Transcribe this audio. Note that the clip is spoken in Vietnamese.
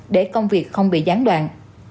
để công việc không bị gián đoạn